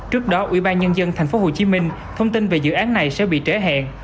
trước đó ủy ban nhân dân thành phố hồ chí minh thông tin về dự án này sẽ bị trễ hẹn